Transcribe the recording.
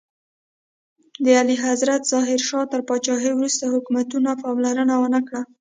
د اعلیحضرت ظاهر شاه تر پاچاهۍ وروسته حکومتونو پاملرنه ونکړه.